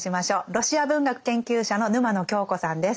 ロシア文学研究者の沼野恭子さんです。